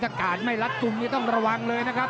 ถ้ากาดไม่รัดกลุ่มนี้ต้องระวังเลยนะครับ